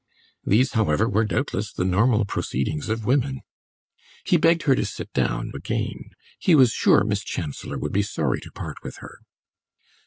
These, however, were doubtless the normal proceedings of women. He begged her to sit down again; he was sure Miss Chancellor would be sorry to part with her.